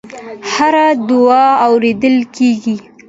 هره دعا اورېدل کېږي.